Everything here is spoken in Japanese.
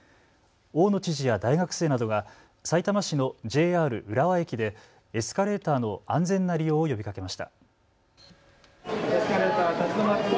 大野知事や大学生などがさいたま市のＪＲ浦和駅でエスカレーターの安全な利用を呼びかけました。